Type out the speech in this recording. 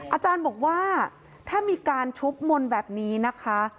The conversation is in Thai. อาจารย์บอกว่าถ้ามีการชุบมนต์แบบนี้นะคะ